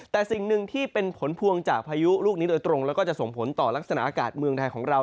แต่สิ่งหนึ่งที่เป็นผลพวงจากพายุลูกนี้โดยตรงแล้วก็จะส่งผลต่อลักษณะอากาศเมืองไทยของเรา